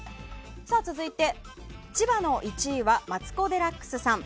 続いて千葉の１位はマツコ・デラックスさん。